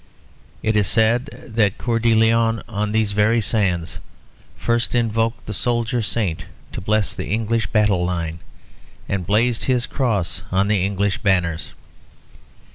It is said that Coeur de Lion on these very sands first invoked the soldier saint to bless the English battle line, and blazon his cross on the English banners.